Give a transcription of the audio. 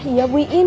iya bu iin